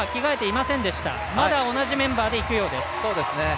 まだ同じメンバーでいくようです。